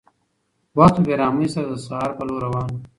وخت په بې رحمۍ سره د سهار په لور روان و.